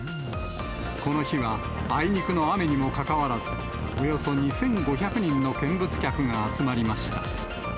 この日はあいにくの雨にもかかわらず、およそ２５００人の見物客が集まりました。